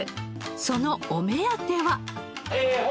そのお目当ては。